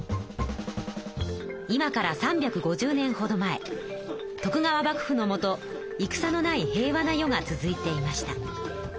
今から３５０年ほど前徳川幕府のもといくさのない平和な世が続いていました。